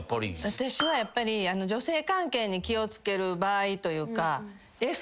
私はやっぱり女性関係に気を付ける場合というか。